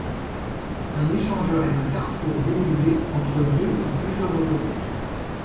Un échangeur est un carrefour dénivelé entre deux ou plusieurs autoroutes.